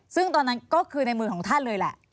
ซึ่งตอนนั้นก็คือในมือของท่านเลยแหละ